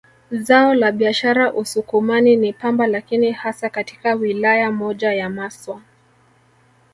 Zao la biashara Usukumani ni pamba lakini hasa katika wilaya moja ya Maswa